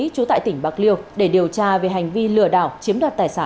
trú tại tỉnh bạc liêu để điều tra về hành vi lừa đảo chiếm đoạt tài sản